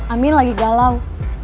amin lagi galau